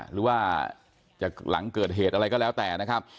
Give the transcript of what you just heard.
หรือว่าจากหลังเกิดเหตุอะไรก็แล้วแต่นะครับ